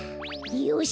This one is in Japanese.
よし！